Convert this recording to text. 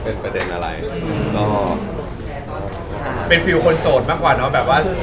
เป็นเฟิวคนโสดมากกว่าเนอะแบบว่า